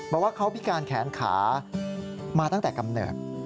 บอกว่าเขาพิการแขนขามาตั้งแต่กำเนิด